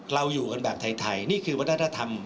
เราอยู่กันแบบไทยนี่คือวัฒนธรรม